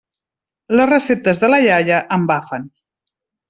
Les receptes de la iaia embafen.